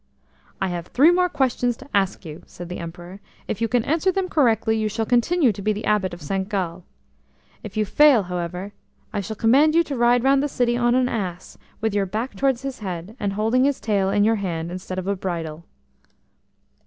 "I have three more questions to ask you," said the Emperor. "If you can answer them correctly, you shall continue to be the Abbot of St Gall. If you fail, however, I shall command you to ride round the city on an ass, with your back towards his head, and holding his tail in your hand instead of a bridle."